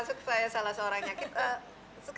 sekarang sudah punya anak